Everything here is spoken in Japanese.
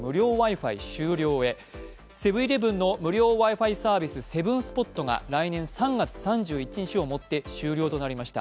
セブン−イレブンの無料Ｗｉ−Ｆｉスポット、セブンスポットが来年３月３１日をもって終了となりました。